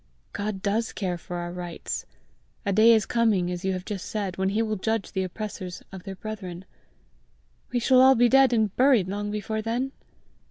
GOD DOES care for our rights. A day is coming, as you have just said, when he will judge the oppressors of their brethren." "We shall be all dead and buried long before then!"